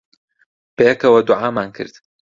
بەیەکەوە دوعامان کرد.